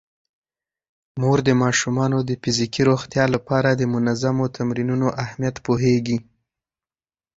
مور د ماشومانو د فزیکي روغتیا لپاره د منظمو تمرینونو اهمیت پوهیږي.